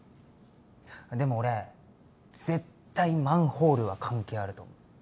でも俺絶対マンホールは関係あると思う。